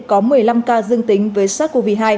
có một mươi năm ca dương tính với sars cov hai